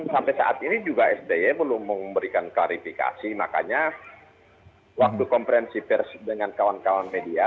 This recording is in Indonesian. sampai saat ini juga sby belum memberikan klarifikasi makanya waktu konferensi pers dengan kawan kawan media